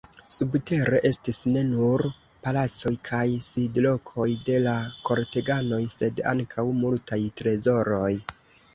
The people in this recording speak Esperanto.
Subtere estis ne nur palacoj kaj sidlokoj de la korteganoj, sed ankaŭ multaj trezoroj.